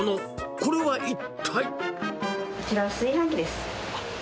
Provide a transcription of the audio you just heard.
これは一体。